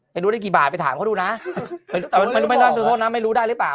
ไม่รู้ได้กี่บาทไปถามเขาดูนะไม่รู้ได้หรือเปล่า